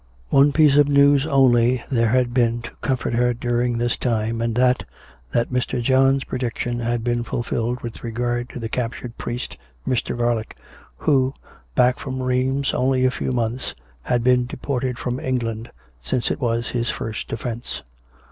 One piece of news only had there been to comfort her during this time, and that, that Mr. John's prediction had been fulfilled with regard to the captured priest, Mr. Garlick, who, back from Rheims only a few months, had 236 286 COME RACK! COME ROPE! been deported from England^ since it was his first offence.